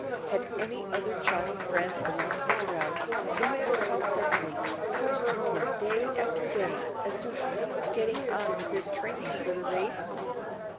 Had any other child friend along his route, no matter how friendly, questioned him day after day as to how he was getting on with his training for the race?